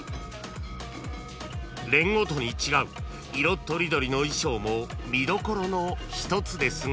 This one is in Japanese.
［連ごとに違う色とりどりの衣装も見どころの一つですが］